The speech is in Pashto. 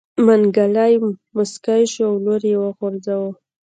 منګلی موسکی شو لور يې وغورځوه.